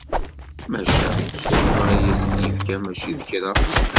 Maca, ssuma i as-d-yefka mačči d kra!